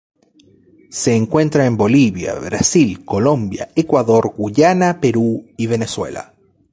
Se encuentra en Bolivia, Brasil, Colombia, Ecuador, Guyana, Perú y Venezuela.